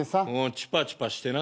チュパチュパしてな。